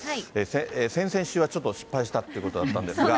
先々週はちょっと失敗したということだったんですが。